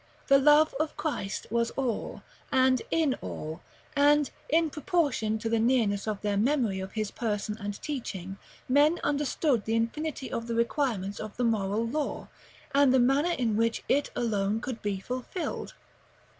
The love of Christ was all, and in all; and in proportion to the nearness of their memory of His person and teaching, men understood the infinity of the requirements of the moral law, and the manner in which it alone could be fulfilled.